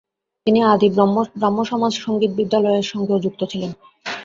তিনি আদি ব্রাহ্মসমাজ সঙ্গীত বিদ্যালয়ের সঙ্গেও যুক্ত ছিলেন।